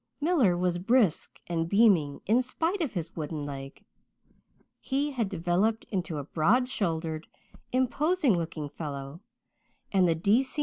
Miller was brisk and beaming in spite of his wooden leg; he had developed into a broad shouldered, imposing looking fellow and the D. C.